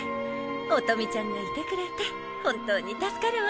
音美ちゃんがいてくれて本当に助かるわ。